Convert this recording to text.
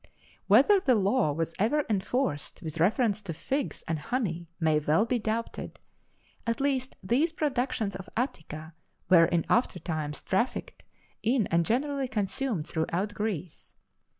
Whether the law was ever enforced with reference to figs and honey may well be doubted; at least these productions of Attica were in after times trafficked in, and generally consumed throughout Greece.